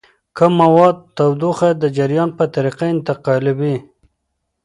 کوم مواد تودوخه د جریان په طریقه انتقالوي؟